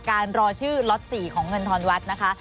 รอชื่อล็อต๔ของเงินทอนวัดนะคะ